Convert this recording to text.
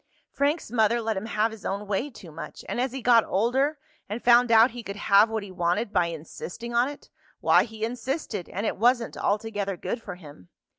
Frank's mother let him have his own way too much, and as he got older and found out he could have what he wanted by insisting on it, why he insisted, and it wasn't altogether good for him.